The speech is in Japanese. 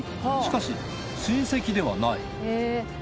しかし親戚ではない。